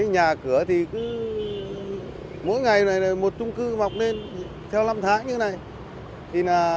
nhà cửa thì cứ mỗi ngày một trung cư mọc lên theo năm tháng như thế này